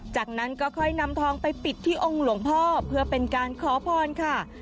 จากนั้นก็ค่อยนำทองไปปิดที่องค์หลวงพ่อเพื่อเป็นการขอพรค่ะ